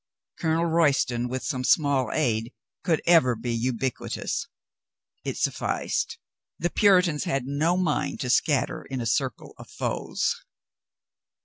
Colonel Royston, with some small aid, could ever be ubiquitous. It sufficed. The Pur itans had no mind to scatter in a circle of foes.